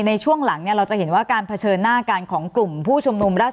ในช่วงหลังเนี่ยเราจะเห็นว่าการเผชิญหน้ากันของกลุ่มผู้ชุมนุมราช